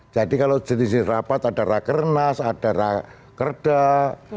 jadi kalau jenis jenis rapat ada rakyat kerenas ada rakyat kerdas